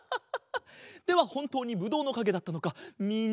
ではほんとうにぶどうのかげだったのかみんなにみせてあげよう。